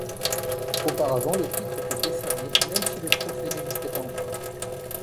Auparavant, le titre était décerné même si le trophée n'existait pas encore.